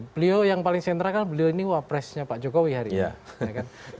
beliau yang paling sentra kan beliau ini wapresnya pak jokowi hari ini